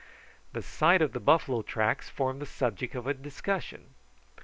The sight of the buffalo tracks formed the subject of a discussion.